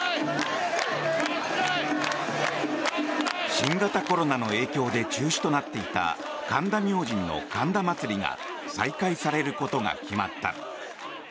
新型コロナの影響で中止となっていた神田明神の神田祭が再開されることが決まった。